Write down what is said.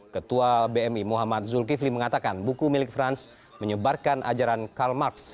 ketua bmi muhammad zulkifli mengatakan buku milik franz menyebarkan ajaran calmarks